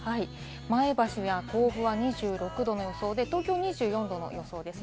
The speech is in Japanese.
前橋や甲府は２６度の予想で東京２４度の予想です。